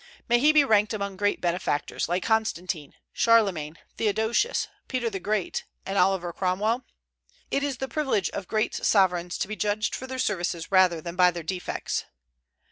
May he be ranked among great benefactors, like Constantine. Charlemagne, Theodosius, Peter the Great, and Oliver Cromwell? It is the privilege of great sovereigns to be judged for their services rather than by their defects.